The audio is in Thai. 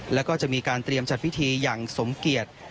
แล้วก็จะมีการเตรียมจัดพิธีอย่างสมเกียจ